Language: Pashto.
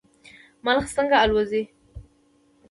ملخ څنګه الوځي؟